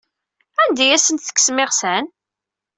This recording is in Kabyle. Anda ay asent-tekksem iɣsan?